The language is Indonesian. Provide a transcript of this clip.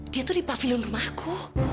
dia tuh di pavilion rumah aku